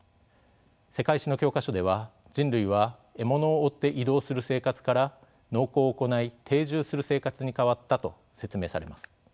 世界史の教科書では「人類は獲物を追って移動する生活から農耕を行い定住する生活に変わった」と説明されます。